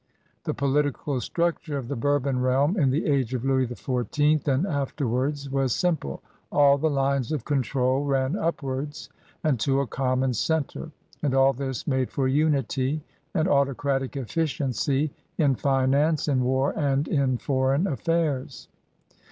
The political structure of the Boiu bon realm in the age of Louis XTV and afterwards was simple: all the lines of control ran upwards and to a common center. And all this made for unity and autocratic efficiency in finance, in war, and in foreign affairs.